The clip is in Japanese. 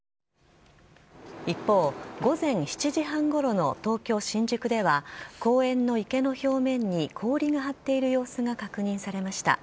一方、午前７時半ごろの東京・新宿では、公園の池の表面に氷が張っている様子が確認されました。